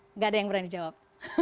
tidak ada yang berani jawab